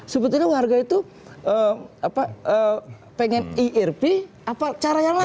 sebetulnya warga itu pengen irp apa cara yang lain